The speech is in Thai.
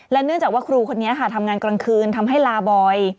เนื่องจากว่าครูคนนี้ค่ะทำงานกลางคืนทำให้ลาบอย